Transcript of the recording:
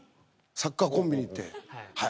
サッカーコンビニってはい。